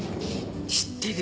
知ってる。